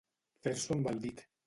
Fer-s'ho amb el dit.